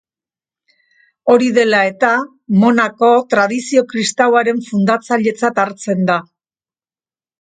Hori dela eta, monako-tradizio kristauaren fundatzailetzat hartzen da.